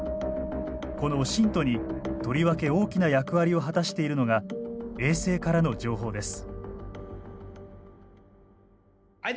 このオシントにとりわけ大きな役割を果たしているのが衛星からの情報です。